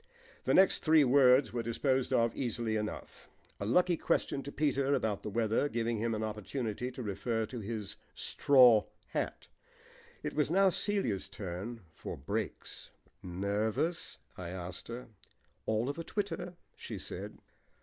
The next three words were disposed of easily enough, a lucky question to Peter about the weather giving him an opportunity to refer to his straw hat. It was now Celia's turn for "breaks." "Nervous?" I asked her. "All of a twitter," she said.